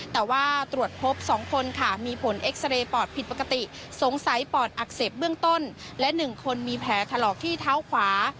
แต่ว่าตรวจพบ๒คนค่ะมีผลเอ็กซาเรย์ปอดผิดปกติสงสัยปอดอักเสบเบื้องต้นและ๑คนมีแผลถลอกที่เท้าขวา